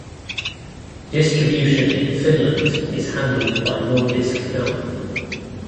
Distribution in Finland is handled by Nordisk Film.